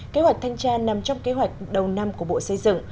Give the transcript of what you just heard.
kế hoạch thanh tra nằm trong kế hoạch đầu năm của bộ xây dựng